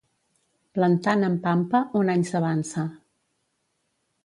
Plantant en pampa, un any s'avança.